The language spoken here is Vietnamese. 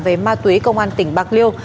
về ma túy công an tỉnh bạc liêu